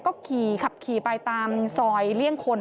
ก็ขี่ขับขี่ไปตามซอยเลี่ยงคน